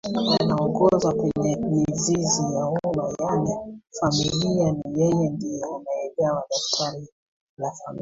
anaongoza kwenye mizizi ya umma yaani familiaNi yeye ndiye anayegawa daftari la familia